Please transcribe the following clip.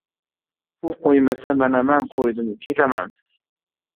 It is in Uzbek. — U qo‘ymasa, mana man qo‘ydim! Ketaman!